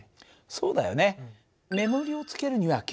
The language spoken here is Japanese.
そうだよね。